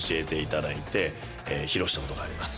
披露したことがあります。